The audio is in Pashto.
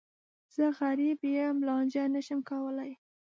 زه غریب یم، لانجه نه شم کولای.